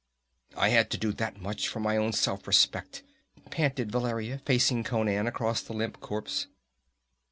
"I had to do that much, for my own self respect!" panted Valeria, facing Conan across the limp corpse.